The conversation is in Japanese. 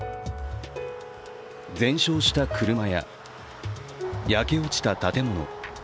全焼した車や焼け落ちた建物。